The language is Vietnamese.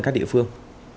các địa phương